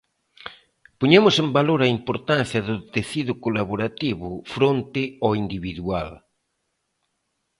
Poñemos en valor a importancia do tecido colaborativo fronte ao individual.